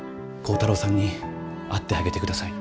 耕太郎さんに会ってあげて下さい。